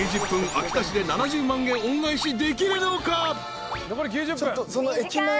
秋田市で７０万円恩返しできるのか？］